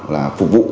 là phục vụ